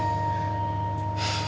tapi buat opa